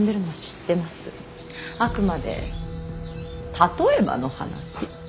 あくまで例えばの話。